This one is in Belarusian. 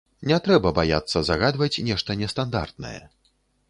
Не трэба баяцца загадваць нешта нестандартнае.